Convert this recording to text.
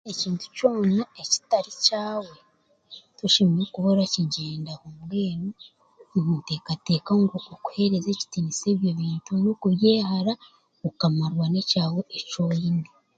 Ekintu kyoona ekitari kyawe toshemereire kuba orakigyendaho mbwenu nintekateka ngu okuhereza ekitiniisa ebyo bintu n'okubyehara okamarwa n'ekyaawe e'kyoyine.